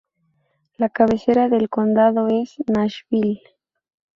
La cabecera del condado es Nashville.